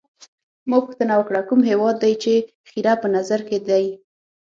ما پوښتنه وکړه: کوم هیواد دي له خیره په نظر کي دی؟